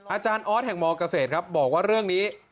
อาจารย์ออสแห่งมเกษตรครับบอกว่าเรื่องนี้